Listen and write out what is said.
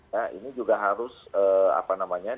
ya ini juga harus apa namanya